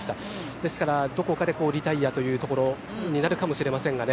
ですからどこかでリタイアというところになるかもしれませんがね。